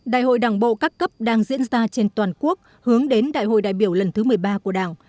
đại hội đảng bộ các cấp đang diễn ra trên toàn quốc hướng đến đại hội đại biểu lần thứ một mươi ba của đảng